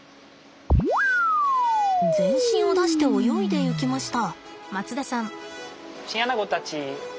全身を出して泳いでいきました。